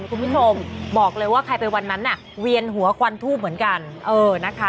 คุณผู้ชมบอกเลยว่าใครไปวันนั้นน่ะเวียนหัวควันทูบเหมือนกันเออนะคะ